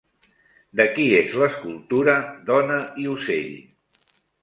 De qui és l'escultura Dona i ocell?